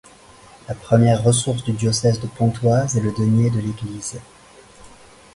La première ressource du diocèse de Pontoise est le denier de l’Église.